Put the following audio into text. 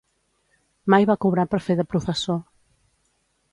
Mai va cobrar per fer de professor.